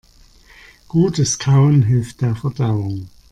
Gutes Kauen hilft der Verdauung.